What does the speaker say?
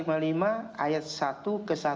ayat satu ke satu